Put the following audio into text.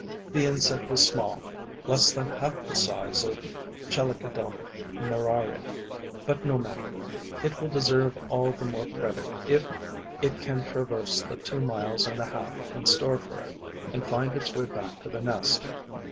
The insect is small, less than half the size of C. muraria, but no matter: it will deserve all the more credit if it can traverse the two miles and a half in store for it and find its way back to the nest.